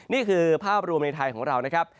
นี่คือภาพรวมในไทยของเรานะครับ